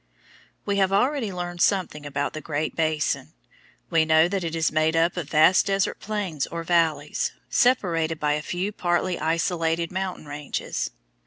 We have already learned something about the Great Basin: we know that it is made up of vast desert plains or valleys, separated by a few partly isolated mountain ranges.